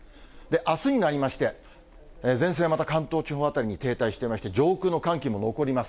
あすになりまして、前線がまた関東地方辺りに停滞していまして、上空の寒気も残ります。